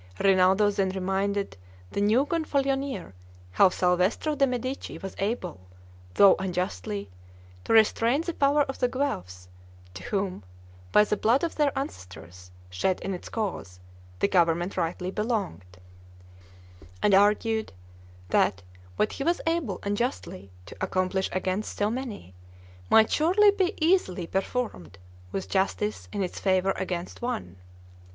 Rinaldo then reminded the new Gonfalonier how Salvestro de' Medici was able, though unjustly, to restrain the power of the Guelphs, to whom, by the blood of their ancestors, shed in its cause, the government rightly belonged; and argued that what he was able unjustly to accomplish against so many, might surely be easily performed with justice in its favor against one!